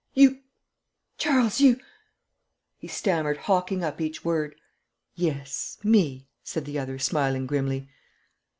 'You, Charles, you!' he stammered, hawking up each word. 'Yes, me,' said the other, smiling grimly.